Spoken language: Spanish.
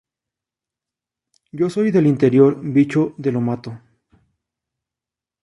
Yo soy del interior, bicho de lo mato.